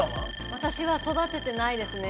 私は育ててないですね。